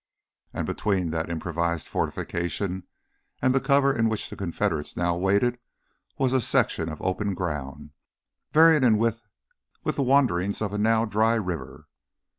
And between that improvised fortification and the cover in which the Confederates now waited was a section of open ground, varying in width with the wanderings of a now dry river.